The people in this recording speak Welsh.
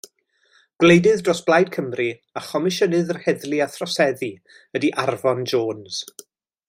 Gwleidydd dros Blaid Cymru a Chomisiynydd yr Heddlu a Throseddu ydy Arfon Jones.